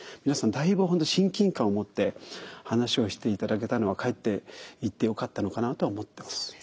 皆さんだいぶ親近感をもって話をして頂けたのはかえって言ってよかったのかなと思ってます。